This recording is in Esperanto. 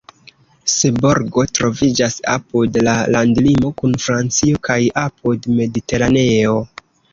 Seborgo troviĝas apud la landlimo kun Francio kaj apud Mediteraneo.